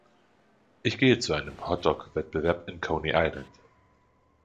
Ich gehe zu einem Hotdog-Wettbewerb in Coney Island.